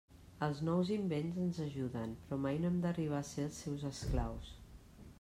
Els nous invents ens ajuden, però mai no hem d'arribar a ser els seus esclaus.